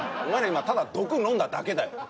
今毒飲んだだけだよ